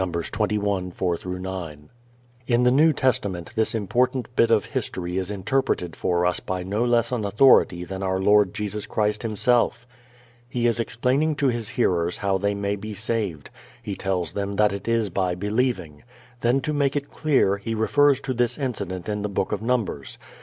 21:4 9). In the New Testament this important bit of history is interpreted for us by no less an authority than our Lord Jesus Christ Himself. He is explaining to His hearers how they may be saved. He tells them that it is by believing. Then to make it clear He refers to this incident in the Book of Numbers.